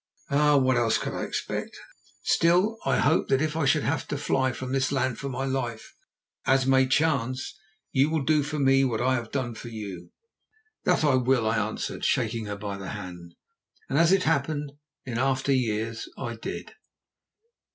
Ah! what else could I expect? Still, I hope that if I should have to fly from this land for my life, as may chance, you will do for me what I have done for you." "That I will," I answered, shaking her by the hand; and, as it happened, in after years I did.